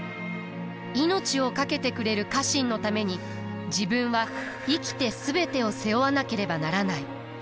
命を懸けてくれる家臣のために自分は生きて全てを背負わなければならない。